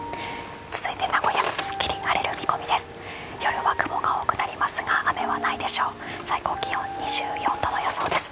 続いて名古屋はすっきりと晴れる見込みです。